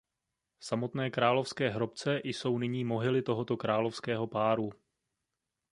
V samotné královské hrobce jsou nyní mohyly tohoto královského páru.